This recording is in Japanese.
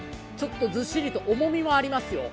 ずっしりと重みもありますよ。